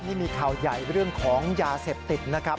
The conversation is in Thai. นี่มีข่าวใหญ่เรื่องของยาเสพติดนะครับ